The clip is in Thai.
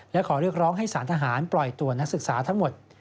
และขอเรียกร้องให้สารทหารปล่อยตัวนักศึกษาทั้งหมด